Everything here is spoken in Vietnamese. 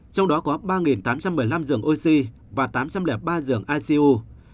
trong đó có ba tám trăm một mươi năm giường oxy và tám trăm linh ba giường icu